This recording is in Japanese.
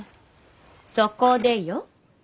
そこでよ。